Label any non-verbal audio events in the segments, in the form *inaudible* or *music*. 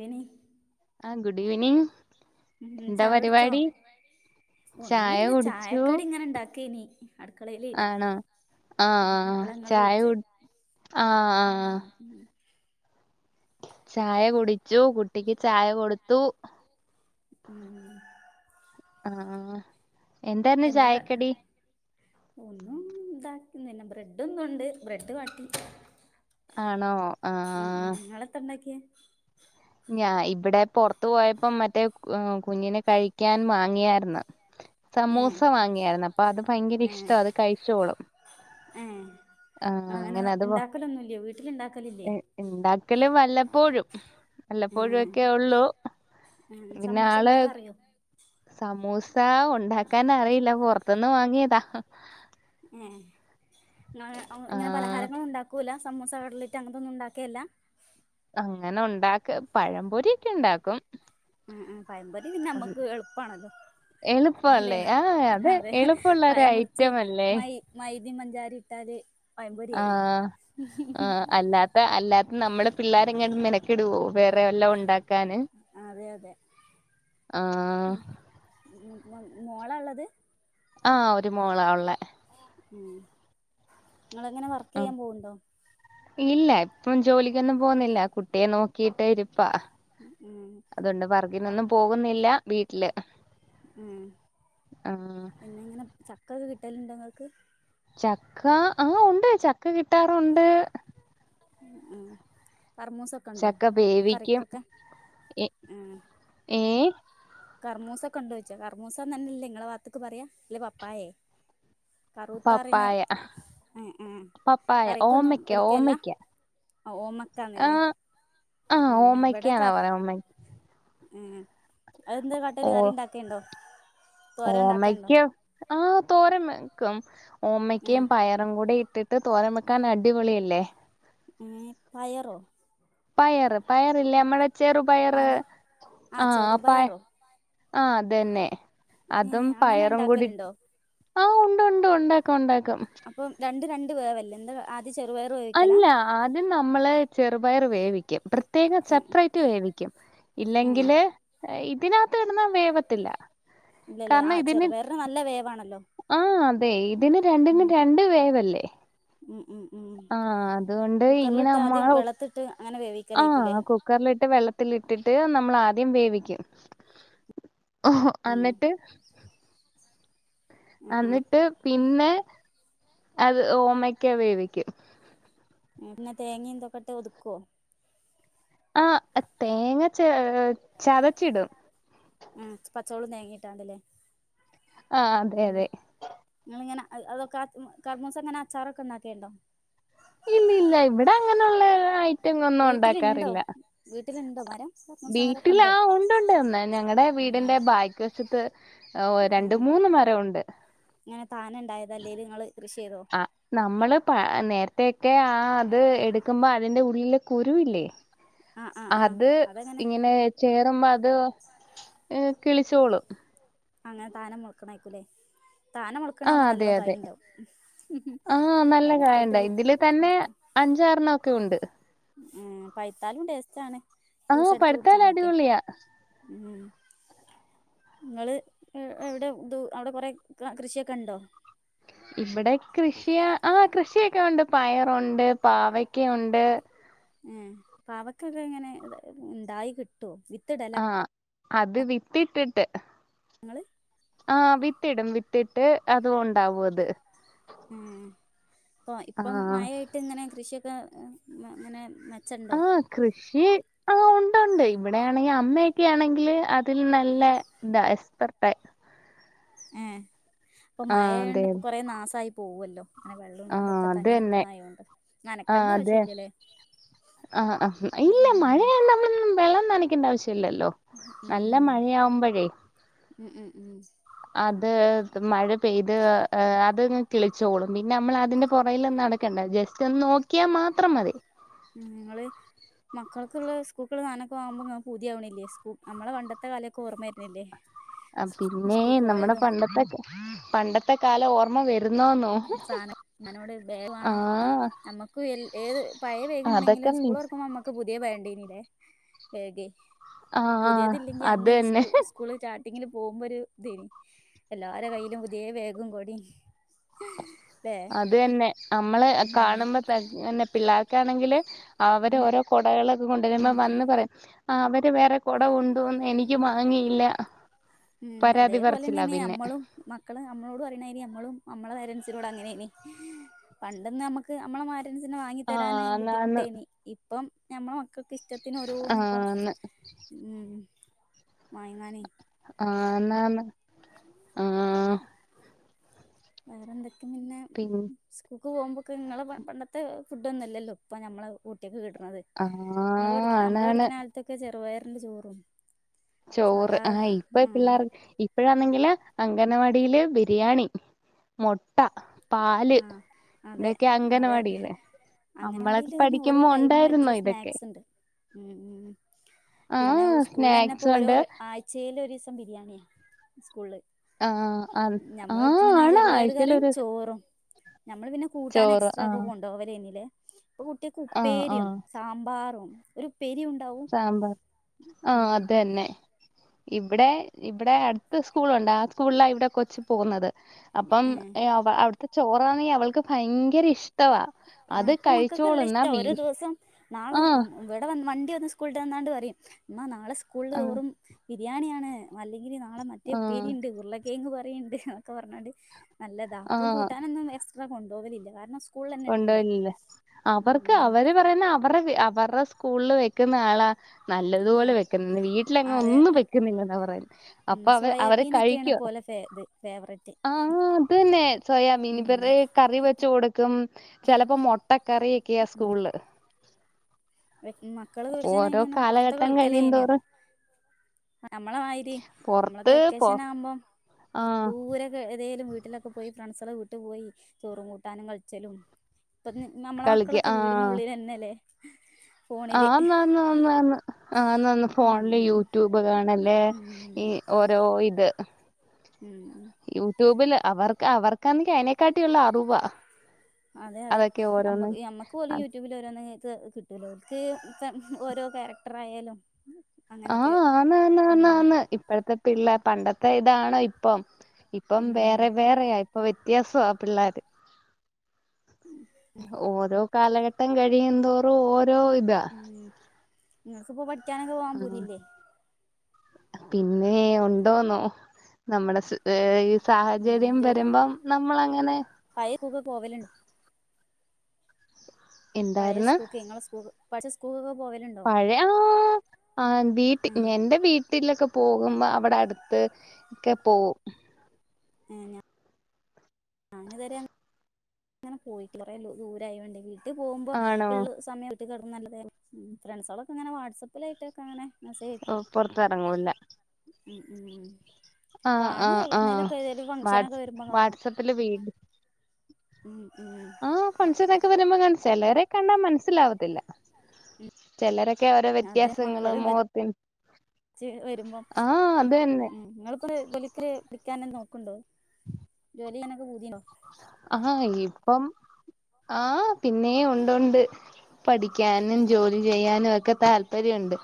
Any ആ good evening. ഉം ചായട്ച്ചോ? ചായ ഒന്നുല്ല കുടിച്ചു ചായക്കടി ഇങ്ങനെ ഇണ്ടാക്കേനി. അട്ക്കളേലേനി. ആണോ ആ ആ മ് അപ്പള ങ്ങള് ചായ വിൾചേ. കുടി ആ ആ ചായ കുടിച്ചു കുട്ടിക്ക് ചായ കൊടുത്തു. ഉം. ആഹ് എന്തായിരുന്നു എന്താ ചായക്കടി? ഒന്നും ണ്ടാക്ക്ന്നില്ല ബ്രെഡുംന്നുണ്ട്‌ ബ്രെഡ്‌ വാട്ടി. ആണോ ആ മ് മ് ങ്ങളെത്താണ്ടാക്കിയെ? ഞാ ഇവിടെ പൊർത്ത് പോയപ്പോ മറ്റേ കുഞ്ഞിനെ കഴിക്കാൻ വാങ്ങിയാര്ന്ന്. *inaudible* സമൂസ വാങ്ങിയാര്ന്ന് അപ്പൊ അത് ഭയങ്കര ഇഷ്ട അത് കഴിച്ചോളും. ഏ ഇങ്ങള് അങ്ങനെ ഇ ണ്ടാക്കലൊന്നുല്ലെ വീട്ടില് ഇ ണ്ടാക്കലില്ലേ? ഇണ്ടാക്കല് വല്ലപ്പോഴും. വല്ലപ്പോഴും ഏഹ് ഒക്കെ ഒള്ളൂ ഏഹ് പിന്നെ സമൂസ ആള് ഇണ്ടാക്കാൻ അറിയോ സമൂസ ഉണ്ടാക്കാൻ അറിയില്ല പുറത്ത്ന്ന് വാങ്ങിയതാ. ഏ ഇങ്ങ ഇങ്ങനെ ആഹ് പലഹാരങ്ങളൊ ഉണ്ടാ കൂല സമൂസ കട്ലറ്റ് അങ്ങനൊന്നുംണ്ടാക്കേല്ല അങ്ങനെ ഉണ്ടാക്ക പഴംപൊരിക്കെ ഉണ്ടാക്കും ഉം ഉ പയമ്പൊരി പിന്നെ നമ്മക്ക് എളുപ്പാണല്ലൊ അല്ലെ എളുപ്പല്ലേ ആഹ് അത് അതെ എളുപ്പമുള്ള ഒരു പഴം മുറിച്ച് ഐറ്റം അല്ലേ മൈ മൈദയും പഞ്ചാരയും ഇട്ടാല് പയമ്പൊരി ആയി ആഹ് ആഹ് അല്ലാത്ത അല്ലാത്ത നമ്മള് പിള്ളേരെങ്ങാനും മെനക്കിടുവോ വേറെ വല്ലാം ഉണ്ടാക്കാന് അതെ അതെ ആഹ് മോള ഉള്ളത് ആഹ് ഒരു മോളാ ഉള്ളേ ഉം നിങ്ങളെങ്ങനെ വർക്ക് ഉം ചെയ്യാൻ പോവുണ്ടോ ഇല്ല ഇപ്പ ജോലിക്കൊന്നും പോന്നില്ല കുട്ടിയെ നോക്കിട്ട് ഇരിപ്പാ ഉം അതുകൊണ്ട് വർക്കിനൊന്നും പോകുന്നില്ല വീട്ടില് ഉം ആഹ് പിന്നെ ഇങ്ങനെ ചക്ക ഒക്കെ കിട്ടലുണ്ടോ നിങ്ങൾക്ക് ചക്ക ആഹ് ഉണ്ട് ചക്ക കിട്ടാറുണ്ട് ഉം കർമോസം ക്കണ്ടോ ചക്ക വേവിക്കും കറിക്കൊക്കെ ഉ ഏ കർമൂസ ക ണ്ട് വെച്ചോ കർമൂസന്നെ ഇല്ലെ നിങ്ങളെ ഭാഗത്തക്ക് പറയാ അല്ലെ പപ്പായേ കറൂത്താറിന് പപ്പായ ഉ ഉ പപ്പായ എക്കൊന്നും ഓമയ്ക്ക എടുക്കേല്ല ഓമയ്ക്ക ആ ആ ഓമക്കാന്നല്ലെ ആ ഉം ഇവിടക്ക ഓമയ്ക്കാന്നാ പറയാ ഓമ ഉം അതെന്താ കാ മട്ടരു ഓ കറി ഉണ്ടാക്കിയുണ്ടൊ തോര ഉണ്ടാക്കിയുണ്ടൊ ആഹ് തോരൻ വെക്കും ഉം ഓമ്മക്കയും പയറും കൂടി ഇട്ടിട്ട് തോരൻ വെക്കാൻ അടിപൊളി അല്ലെ ഏഹ് പയറൊ പയറ് പയറില്ലേ നമ്മടെ ചെറു പയറ് ആന്ന് ആ ആഹ് പയ ചെറുപയറോ ആ അതന്നെ അതും ഏഹ് അങ്ങനെ പയറും കൂടി ഇണ്ടാക്കലുണ്ടോ ആഹ് ഉണ്ട് ഉണ്ട് ഉണ്ടാക്കും ഉണ്ടാക്കും അപ്പം രണ്ട് രണ്ട് വേവല്ലെ എന്താ ആദ്യ ചെറുപയറ് വേ അല്ല ആദ്യം നമ്മള് ചെറുപയർ വേവിക്കും പ്രത്യേകം ഉം സെപ്പറേറ്റ് വേവിക്കും ഉം ഇല്ലെങ്കിൽ ഇതിനകത്ത് കെടന്ന വേവത്തില്ല കാരണം ഇതിന് വാണല്ലൊ ആ അതെ ഇതിന് രണ്ടിനും രണ്ട് വേവല്ലേ ഉം ഉം ഉം ആഹ് അതുകൊണ്ട് ഇങ്ങനെ കുക്കറിലിട്ട് ആദ്യം അമ്മള വെള്ളത്തിട്ട് അങ്ങനെ ആഹ് വേവിക്കലേക്കൂലേ കൊ കുക്കറിലിട്ട് വെള്ളത്തിലിട്ടിട്ട് നമ്മൾ ആദ്യം വേവിക്കും ഓഹൊ അന്നിട്ട് ആ ആ അന്നിട്ട് പിന്നെ അത് ഓമക്ക വേവിക്കും പിന്നെ തേങ്ങയും ഇന്തൊക്കെട്ട് ഒതുക്കുവൊ ആഹ് തേങ്ങ ച ചതച്ചി ഇടും ഉം പച്ചോളം തേങ്ങിട്ടാണ്ടല്ലേ ആഹ് അതെ ഉം അതെ നിങ്ങള് ഇങ്ങനെ അതൊക്കെ കർമൂസ അങ്ങനെ അച്ചാറൊക്കെ ഉണ്ടാക്കിയണ്ടോ ഇല്ല ഇല്ല ഇവിടെ അങ്ങനെയുള്ള ഐ വീട്ടിലുണ്ടോ വീട്ടിലുണ്ടോ മരം കർമൂസ മരമൊക്കെ വീട്ടിലാ ഉണ്ടോ ഉണ്ടുണ്ട്ന്ന് ഞങ്ങളടെ ഉം വീടിന്റെ ബാക്ക് വശത്ത് ഓ രണ്ട് ഉം മൂന്ന് മരംണ്ട് ഇങ്ങനെ താനെ ഉണ്ടായതാ അല്ലേല് നിങ്ങള് കൃഷി ചെയ്തോ ആ നമ്മള് പ നേരത്തേക്കെ ആ അത് എടുക്കുമ്പോ അതിന്റെ ഉള്ളിലെ കുരുവില്ലേ ആ ആ ആ അത് അതെങ്ങനെ ഇങ്ങനെ ചേറുമ്പ അത് അഹ് കിളിച്ചോളും അങ്ങനെ താനം മുളക്കണ ആയ്ക്കൂലേ താനെ ആ മുളക്കണാവുമ്പോ അതെ നല്ലോ അതെ കായിണ്ടാവും ആ മെനക്കെട്ട് അഞ്ചാറണ്ണവൊക്കെ ഉണ്ട് ഉം പഴ്ത്താലും ടേസ്റ്റാണ് ആ ജ്യൂസ് അടിച്ച് പഴുത്താൽ കുടിച്ചാനൊക്കെ അടിപൊളിയാ ഉം ഇങ്ങള് എഹ് എവിടെ ദൂ അവിടെ കൊറെ ക കൃഷിയൊക്കെ എണ്ടോ ഇവിടെ കൃഷിയാ ആഹ് കൃഷിയൊക്കെ ഉണ്ട് പയറുണ്ട് പാവക്കുണ്ട് ഏഹ് പാവക്കൊക്കെ എങ്ങനെ ഇണ്ടായി കിട്ടുവോ വിത്തിടലാ ആഹ് അത് വിത്തിട്ടിട്ട് നിങ്ങള് ആഹ് വിത്തിടും വിത്തിട്ട് അത് ഒണ്ടാവും അത് ഉം ഇപ്പം ഇപ്പം ആ മയേ ട്ടിങ്ങനെ കൃഷിയൊക്കെ എഹ് മെ ഇങ്ങനെ മെച്ചെണ്ടോ ആഹ് കൃഷി ആഹ് ഒണ്ടൊണ്ട് ഇവിടെയാണെങ്കി അമ്മയൊക്കെ ആണെങ്കില് അതിൽ നല്ല ഇതാ എക്സ്പെർട്ടായി ഏഹ് ഇപ്പം ആഹ് അതെ മഴയായോണ്ട് ഇപ്പ കൊറെ നാസായി പോവല്ലോ ഇങ്ങനെ വെള്ളോം ആഹ് ഇതൊക്കെ അത് തങ്ങി തന്നെ നിക്കണ ആയോണ്ട് ആഹ് നനക്കണ്ട ആവശ്യം അതെ ഇല്ല്യാല്ലേ ആഹ് ആഹ് ഇല്ല മഴയായോണ്ട് നമ്മളൊന്നും വെള്ളം നനക്കണ്ട ആവശ്യവില്ലല്ലോ ഉം ഉം ഉം ഉം ഉം അത് മഴ പെയ്ത് അഹ് അതങ്ങ് കിളിച്ചോളും പിന്നെ നമ്മളതിന്റെ പുറകിലൊന്നും നട ക്കണ്ട ജസ്റ്റ് ഒന്ന് നോക്കിയാ മാത്രം മതി ഉം നിങ്ങള് മക്കൾ‌ക്കിള്ള സ്കൂക്കള് സാനൊക്കെ വാങ്ങുമ്പോ ഇങ്ങക്ക് കൊതിയാവണില്ലേ സ്കൂ നമ്മളെ പണ്ടത്തെ കാലൊക്കെ ഓർമ്മ വരണില്ലേ ആഹ് പിന്നേ നമ്മടെ പണ്ടത്തെ പണ്ടത്തെ കാലം ഓർമ്മ വ രുന്നോന്നോ സാധനം ആഹ് ക്കു എൽ ഏത് പഴേ ബേഗ് ഇണ്ടെങ്കിലും അതൊക്കെ സ്കൂൾ മിസ് തൊറക്കുമ്പോ നമ്മക്ക് പുതിയ വേണ്ടീനില്ലേ ബേഗ് ആഹ് പുതിയതില്ലെങ്കി അത് അന്ന് തന്നെ സ്കൂ സ് കൂളില് സ്റ്റാർട്ടിങ്ങില് പോകുമ്പോ ഒരു ഇതെയ്‌നി എല്ലാര കയ്യിലും പുതിയ ബേഗും കൊടേം അതന്നെ നമ്മള് ഉം കാണുമ്പ തന്നെ പിള്ളേർക്കാണെങ്കില് അവര് ഓരോ കുടകളൊക്കെ കൊണ്ടുവരുമ്പ വന്ന് പറയും ആഹ് അവര് വേറെ കുട കൊണ്ട് വന്ന് എനിക്ക് വാങ്ങിയില്ല ഉം പരാതി പറച്ചില്ല അതേപോലെന്നേണ് പിന്നെ ഞമ്മളും മക്കള് നമ്മളോട് പറയണായി നമ്മളും നമ്മളെ പേരൻസിനോട് അങ്ങനേനി പണ്ടന്ന് നമ്മുക്ക് നമ്മളെ മാ പേരന്റ്സിന് വാങ്ങി തരാന് ആന്നാന്ന് ബുദ്ധിമുട്ടേനി ഇപ്പം ഞമ്മടെ മക്കക്ക് ഇഷ്ട്ട ത്തിനോരോന്നിപ്പം ആന്ന് ഉം വയങ്ങാനേ ആന്നാന്ന് ആഹ് വേറെന്തെക്കെ പിന്നെ പിൻ സ്കൂൾക്ക് പോകുമ്പോക്കെ നിങ്ങളെ പ പണ്ടത്തെ ഫുഡ് ഒന്നും അല്ലല്ലോ ഇപ്പൊ ഞമ്മള കുട്ടിയക്ക് കിട്ടണന്നത് ആഹ് ആണാണ് ത്തെക്കെ ചെറുപയറിന്റെ ചോറും. ചോറ് സാധാ ആഹ് ഇപ്പ ആഹ് പിള്ളേർക്ക് ഇപ്പഴാന്നെങ്കില് അംഗനവാടിയില് ബിരിയാണി മുട്ട ആഹ് അതെ അതെ. അംഗനവാടിയില് നമ്മളൊക്കെ അങ്ങനവാടയില് അയ്ന് ഓരോ പഠിക്കുമ്പോ ടൈമ് വെച്ച് ഉണ്ടായിരുന്നോ ഇതൊക്കെ സ്നാക്സിണ്ട് ഉം പിന്ന ഔ ആഹ് സ്കൂൾലന്നെ. സ്നാക്സ് ഇപ്പോരോ ഉണ്ട് ആഴ്ച്ചേല് ഒരു ദിവസം ബിരിയാണിയാ സ്കൂൾല് ആഹ് ആഹ് ഞമ്മള് ആഹ് പഠിച്ചിനന്ന് ആണ് ചെറുപയർ ആഴ്ചയിൽ കറിം ഒരു ദിവസം ചോറും. നമ്മള് പിന്നെ കൂട്ടാന് ചോറ് എക്സ്ട്രാ ഒക്കെ ആഹ് കൊണ്ടോവലേനി ലേ ഇപ്പൊ കുട്ടിയക്ക് ആഹ് ഉപ്പേരിം ആഹ് സാമ്പാറും ഒരു ഉപ്പേരിയുണ്ടാവും. സാമ്പാർ ആ അതെന്നെ. ഇവടെ ഇവടെ അട്ത്ത സ്കൂളുണ്ട് ആ സ്കൂൾല ഇവടെ കൊച്ച് പോവുന്നത്. അപ്പം ഏഹ് അവ്ട്ത്തെ ചോറാണെങ്കി അവൾക്ക് ഭയങ്കര ഇഷ് ആ ഇപ്പൊ മക്കൾക്കെല്ല ഇഷ്ട വീ ഓരോ ദിവസം നാളെ. ആഹ് ഇവടെ വ മണ്ടി വന്ന് സ്കൂൾ ട്ട് വന്നാണ്ട് പറിം മ്മാ നാളെ സ്കൂൾള് ആഹ് വെറും ബിരിയാണിയാണ് അല്ലെങ്കില് നാളെ മറ്റേ ആഹ് ഉപ്പേരിയ്ണ്ട് ഉർളകെങ്ങ് പറീണ്ട് ന്നക്കെ പർഞ്ഞാണ്ട്. നല്ലതാ ഇപ്പൊ ആഹ് കൂട്ടാനൊന്നും എക്സ്ട്രാ കൊണ്ടോവലില്ല കാരണം. സ്കൂളിൽ തന്നെ ഉണ്ടല്ലോ കൊണ്ടോവലില്ല അവർക്ക് ഉം അവര് പറയുന്ന അവര്ടെ അവര സ്കൂൾല് വെക്കുന്ന ആളാ. നല്ലതുപോലെ വെക്കുന്ന് വീട്ടിലങ്ങും അതെ ഒന്നും വെക്കുന്നില്ലെന്നാ പറയ ഉം അപ്പ അവ അവര് സോയാബീനൊക്കെയാണ് കഴിക്കൊ പോലെ ഫേ ഇത് ഫേവററ്റ് ആ അതന്നെ സോയാബീൻ ഇവര്ടെ ഉം കറി വെച് കൊടു ക്കും ചെലപ്പോ മൊട്ടക്കറി ഒക്കെയ സ്കൂൾല്. മക്കള് *unintelligible* ഓരോ ഇങ്ങനെ പോർത്ത് ഒക്കെ കാലഘട്ടം കളിക്കലേനിയോ കഴിയുന്തോറും നമ്മളെമായിരി നമ്മളക്കെ പൊറത്ത് പൊ വെക്കേഷന ആവുമ്പം ആഹ് ദൂരെ. എതേലും വീട്ടിലൊക്കെ പോയി ഫ്രണ്ട്സളെ വീട്ട് പോയി ചോറും കൂട്ടാനും കൾച്ചലും. *unintelligible* നമ്മളെ കളിക്ക മക്കളൊക്കെ വീടിനുള്ളിലന്നെ ലെ ആന്നന്നന്നന്ന് ആന്നന്ന് ഫോൺല് ഉം യൂട്യൂബ് കാണല്. ഉം ഈ ഓരോ ഇത്. ഉം യൂട്യൂബ് ല് അവർക്ക് അവർക്കാണെങ്കി അയിനെക്കാട്ടിയുള്ള അറ് വാ അതെ അതെ അമ്മക് ഈ അമ്മ ക്ക് ഓല് യൂട്യൂബില് ഓരോന്ന് ക് കിട്ടോല്ലോ ഓൽക്ക് ഓരോ ക്യാരക്ടർ ആയാലോ ആ ആന്ന് ന്നന്ന ആന്ന് ഇപ്പഴത്തെ പിള്ള പണ്ടത്തെ ഇതാണോ ഇപ്പം. ഇപ്പം ഉം വേറെ വേറെയാ ഇപ്പ വ്യത്യാസ പിള്ളേര്. ഓരോ കാലഘട്ടം കഴിയുംന്തോറും ഓരോ ഇതാ. ഉം ഇങ്ങക്ക്പ്പോ പഠിക്കാനൊക്കെ പോവാൻ ആഹ് പൂതില്ലേ. പിന്നെ ഉണ്ടോന്നോ നമ്മളെ സ് ഏ ഈ സാഹചര്യം വരുമ്പം നമ്മളങ്ങനെ. പയെ സ്കൂക്ക് പോവല്ണ്ടോ പയെ എന്തായിരുന്നു സ്കൂക്കെ ഇങ്ങളെ സ്കൂക് പഠിച്ച സ്കൂൾക്കൊക്കെ പോവല്ണ്ട്. പഴയആ ആ വീട്ടി ഉം എന്റെ വീ ട്ടിലൊക്കെ പോകുമ്പോ അവടെ അട്ത്ത് ഒക്ക പോവും. ഏ ഞ ഞാന് ഇതരെ അങ്ങനെ പോയിട്ടില്ല കൊറേ ദൂരായോണ്ടേ വീട്ട് പോവുമ്പം ആണോ ഇള്ള സമയം. *unintelligible* ഉം ഫ്രണ്ട്സോളൊക്കെങ്ങന വാട്സആപ്പിലായിട്ടൊക്കെ അങ്ങനെ. മെസേയയ്ക്കും പൊറത്തെറങ്ങൂല ഉം. ഉം ആഹ് കാണും ആഹ് എവ്ട്ന്നേലോക്കെ ഏതേലും ഫംഗ്ഷനോക്കെ വരുമ്പം കാണും. ത്തല്ല വീട്. ഉം ഉം ആ ഫംഗ്ഷന്ക്കെ വരുമ്പം ക ചെലരെ കണ്ടാ മൻസ്സിലാവത്തില്ല. ചെലരെക്കെ ഓരോ വ്യത്യാസങ്ങള് മൊഖത്തിൻ ച്ച് വരുമ്പം അത് തന്നെ ഉം ഇങ്ങള്പ്പോ ജോലിക്ക് പഠിക്കാന് ‌നോക്ണ്ടോ ജോലി ചെയ്യാനൊക്കെ പൂതി ണ്ടോ ആ ഹ ഇപ്പം ആ പിന്നെ ഉണ്ട് ണ്ട്. പഠിക്കാനും ഉം ജോലി ചെയ്യാനു ഒക്കെ താല്പര്യണ്ട്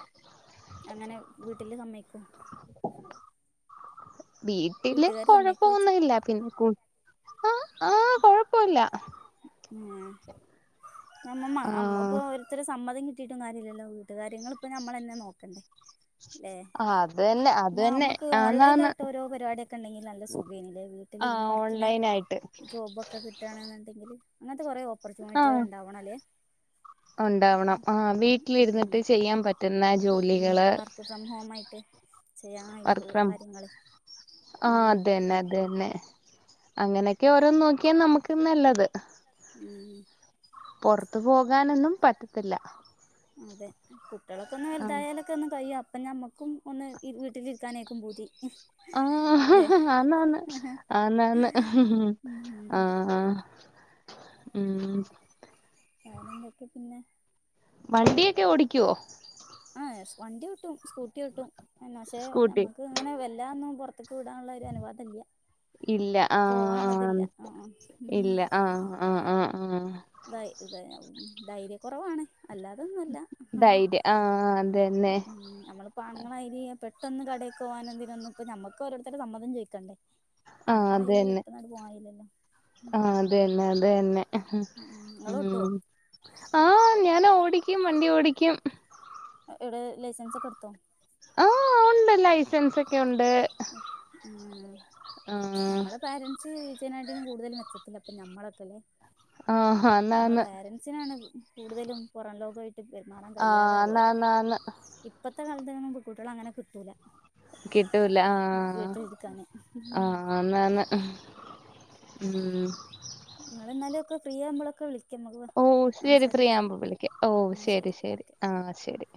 അങ്ങനെ വീട്ട്ല് സമ്മയ്ക്കോ വീട്ടില് വീട്ടുകാര് സമ്മയ്ക്കോയ്ച്ച കൊഴപ്പൊന്നുല്ല പിന്നെ കു ആ ആ കൊഴപ്പല്ല ഉം. അമ്മമ്മ അമ്മു ഇപ്പോ ആഹ് ഒരോരുത്തരെ സമ്മതം കിട്ടിട്ടും കാര്യല്ലല്ലോ. വീട്ടുകാര്യങ്ങള്പ്പോ നമ്മളെന്നെ നോക്കണ്ടേ? ല്ലേ? അത് തന്നെ അത് ന്നാ തന്നെ നമ്മക്ക് ആന്നാന്ന് ഓൺലൈനായിട്ട് ഓരോ പരിപാടിയൊക്കെണ്ടെങ്കി നല്ല സുഖായിനെല്ലേത്? ആഹ് ഓൺലൈൻ ആയിട്ട്. ജോബൊക്കെ കിട്ടണെന്നുണ്ടെങ്കില്. അങ്ങനത്തെ കൊറെ ഓപ്പർച്യൂണിറ്റികൾ ആഹ് ഉണ്ടാവണം ല്ലേ? ഉണ്ടാവണം ആഹ് ഉം വീട്ടിലിരുന്നിട്ട് ചെയ്യാൻ പറ്റുന്ന ഉം. ജോലികള് വർക്ക് ഫ്രം ഹോം ആയിട്ട്. ചെയ്യാൻ കയ്യണ വർക്ക് ഫ്രം കാര്യങ്ങള് ആഹ്. ഉം അതന്നെ അതന്നെ. അങ്ങനെയൊക്കെ ഓരോന്ന് നോക്കിയാ നമ്മക്കും നല്ലത്. ആഹ് ഉം പൊറത്തു പോകാനൊന്നും പറ്റത്തില്ല അതെ. കുട്ട്യാളൊക്കെ ഒന്ന് ആഹ് വലുതായാല് ക്കേ ഒന്ന് കയ്യും. അപ്പ ഞമ്മക്കും ഒന്ന് ഈ വീട്ടിലിരിക്കാനേര്ക്കും പൂതി. അല്ലെ ആഹ് ആന്നാആന്ന് ആന്നാആന്ന്. ആഹ് ഉം ആഹ് ഉം ഉം. വേറെന്തൊക്കെ പിന്നെ? വണ്ടിയെക്കെ ഓടിക്ക്വോ? ആഹ് യെസ്. വണ്ടി ഓട്ടും സ്കൂട്ടി ഓട്ടും. എന്ന പക്ഷേ സ്കൂട്ടി നമ്മക്ക് അങ്ങനെ വല്ലാതൊന്നും പൊറത്തേക്ക് വിടാനുള്ള ഒരു അനുവാദല്ല്യാ. ഇല്ല. ആഹ് ആഹ്. ആ ആ. ഇല്ല. ആഹ് ആഹ് ആഹ് ആഹ്. ഇതായി ഇതായി. ധൈര്യക്കൊറവാണ്. അല്ലാതൊന്നു അല്ല. ധൈര്യ ആഹ് അതന്നെ. ഉം ഞമ്മള്. പ്പ ആണുങ്ങളായിരി പെട്ടന്ന് കടയിക്ക് പോവാനും ഇതിനനൊന്ന്ക്കും ഞമ്മക്കും ഓരോരുത്തരുടെ സമ്മതം ചോയിക്കണ്ടേ? ആഹ് ആണുങ്ങള മായ്രി അതന്നെ പെട്ടെന്ന് അങ്ങ്ട് പോവാൻകയില്ലല്ലോ. ആഹ്. അത് തന്നെ. അത് തന്നെ ഉം നിങ്ങള് ഓട്ടുവോ ഉം. ആഹ് ഞാൻ ഓടിക്കും. വണ്ടി ഓടിക്കും. എവടെ ലൈസൻസ് ഒക്കെടുത്തോ? ആഹ് ഉണ്ട് ലൈസൻസൊക്കെ ഉണ്ട്. ഉം. ആഹ് നമ്മളെ പാരൻ സ് ജീവിച്ചേനാട്ടിം കൂടുതലും മെച്ചത്തിലാപ്പ ഞമ്മളൊക്കെല്ലേ? ആഹ് നമ്മളെ ആന്നാന്ന് പാരന്റ് സ്നാണ് കൂടുതലും പൊറം ലോകായിട്ട് പെരുമാറാൻ ആഹ് കഴിയാതാ പോയത്. ആന്നാന്നാന്ന് ഇപ്പത്തെ കാലത്തൊങ്ങനോന്നും പ് കുട്ട്യോളങ്ങനെ കിട്ടൂല. കിട്ടൂല ആഹ് വീട്ടിലിരിക്കാന് ആഹ്. ആഹ് അന്നാന്ന്. ഉം. ഉം ങ്ങള്ങ്ങനൊക്കെ ഫ്രീ ആമ്പോളൊക്കെ വിളി ഓഹ് ശരി. ഫ്രീയാമ്പ വിളിക്കാ. ഓഹ് എന്നാ ശരി ശരി. ഓക്കെ ആഹ് ശരി.